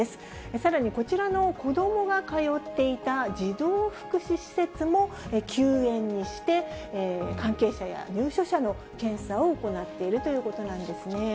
さらにこちらのこどもが通っていた児童福祉施設も、休園にして、関係者や入所者の検査を行っているということなんですね。